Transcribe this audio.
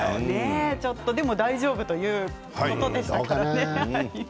でも大丈夫ということでしたね。